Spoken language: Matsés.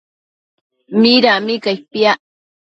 Midami cai piac?